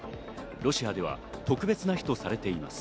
ロシアでは特別な日とされています。